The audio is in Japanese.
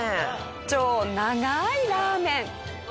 超長いラーメン。